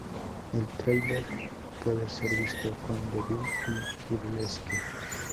El tráiler puede ser visto con "Devil" y "Burlesque".